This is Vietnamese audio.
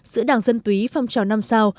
giữa đảng dân túy phong trào năm sao